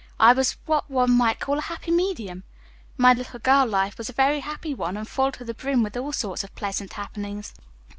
I was what one might call a happy medium. My little girl life was a very happy one, and full to the brim with all sorts of pleasant happenings."